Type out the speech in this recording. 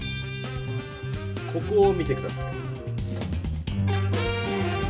ここを見て下さい。